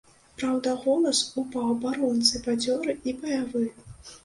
Праўда, голас у паўабаронцы бадзёры і баявы.